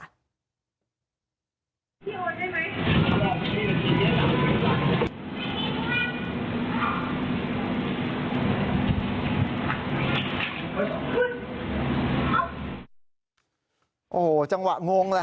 โอ้โหจังหวะงงแหละ